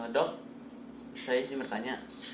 dok saya ingin bertanya